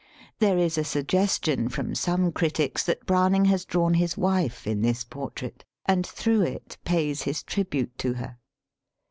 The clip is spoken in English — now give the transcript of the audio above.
There is a suggestion from some critics that Browning has drawn his wife in this por trait, and through it pays his tribute to her.